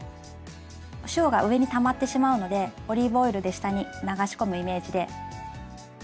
お塩が上にたまってしまうのでオリーブオイルで下に流し込むイメージで。